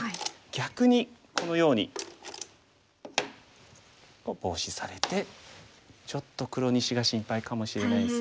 逆にこのようにボウシされてちょっと黒２子が心配かもしれないです。